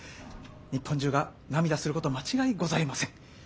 日本中が涙すること間違いございません。